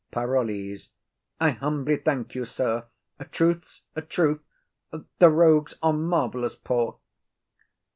PAROLLES. I humbly thank you, sir; a truth's a truth, the rogues are marvellous poor.